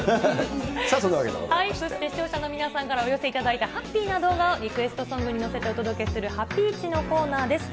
さあ、そして視聴者の皆さんから、お寄せいただいたハッピーな動画を、リクエストソングに乗せてお届けするハピイチのコーナーです。